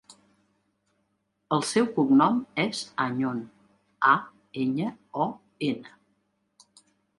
El seu cognom és Añon: a, enya, o, ena.